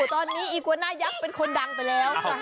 ตอนนี้อีกวาน่ายักษ์เป็นคนดังไปแล้ว